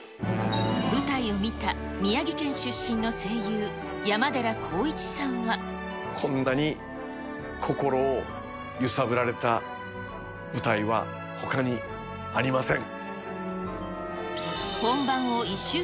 舞台を見た宮城県出身の声優、こんなに心を揺さぶられた舞台はほかにありません。